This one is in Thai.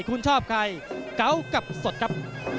คุณชอบใครเกาะกับสดครับ